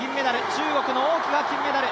中国の王キが金メダル。